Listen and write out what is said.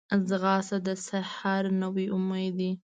ځغاسته د سحر نوی امید ده